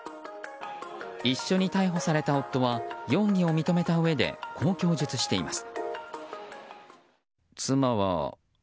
一緒に逮捕された夫は容疑を認めたうえでこう供述しています。